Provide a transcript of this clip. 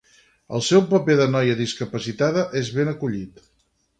El seu paper de noia discapacitada és ben acollit.